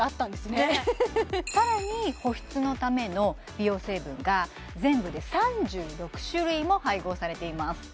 ねっさらに保湿のための美容成分が全部で３６種類も配合されています